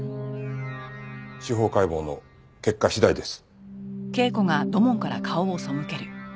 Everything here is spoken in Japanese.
司法解剖の結果次第です。